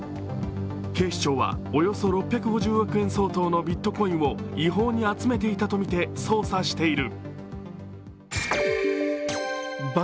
警視庁はおよそ６５０億円相当のビットコインを違法に集めていたとみて捜査している。